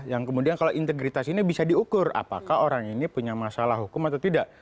yang kemudian kalau integritas ini bisa diukur apakah orang ini punya masalah hukum atau tidak